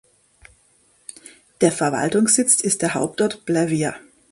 Der Verwaltungssitz ist der Hauptort Pljevlja.